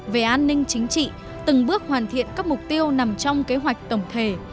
về an ninh chính trị từng bước hoàn thiện các mục tiêu nằm trong kế hoạch tổng thể